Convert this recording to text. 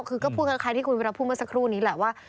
คือก็พูดกับใครที่คุณพูดเมื่อสักครู่นี้แหละว่า